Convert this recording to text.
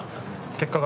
結果が。